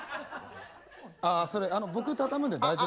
あそれ僕畳むんで大丈夫です。